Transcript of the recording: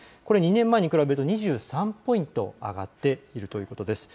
２年前に比べると２３ポイント上がっているということです。